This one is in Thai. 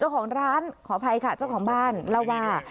ขออภัยค่ะเจ้าของบ้านเล่าว่า